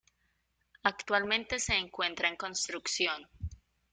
Actualmente se encuentra en construcción.